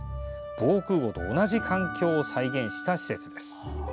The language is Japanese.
防空壕と同じ環境を再現した施設です。